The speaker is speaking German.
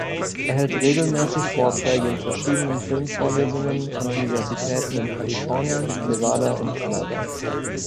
Er hält regelmäßig Vorträge in verschiedenen Filmvorlesungen an Universitäten in Kalifornien, Nevada und Canada.